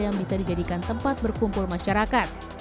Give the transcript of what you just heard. yang bisa dijadikan tempat berkumpul masyarakat